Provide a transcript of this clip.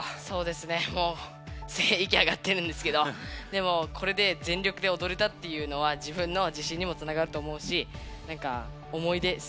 そうですねもういきあがってるんですけどでもこれで全力でおどれたっていうのは自分の自信にもつながると思うしなんか思い出